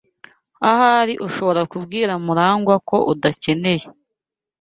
Ahari ushobora kubwira Murangwa ko udakeneye.